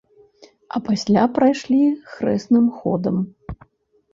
А пасля прайшлі хрэсным ходам.